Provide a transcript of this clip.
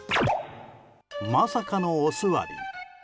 まさかのお座り。